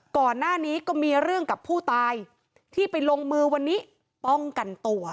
ก่อนหน้านี้ก็มีเรื่องกับผู้ตายที่ไปลงมือวันนี้ป้องกันตัว